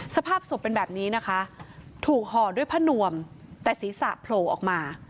สภาพศพเป็นแบบนี้นะคะถูกห่อด้วยผ้านวมแต่ศีรษะโผล่ออกมา